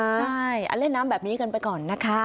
ใช่เล่นน้ำแบบนี้กันไปก่อนนะคะ